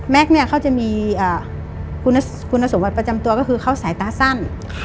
เนี่ยเขาจะมีคุณสมบัติประจำตัวก็คือเขาสายตาสั้น